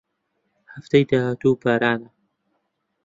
هەفتەی داهاتوو بارانە.